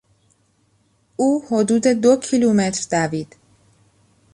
او حدود دو کیلومتر دوید.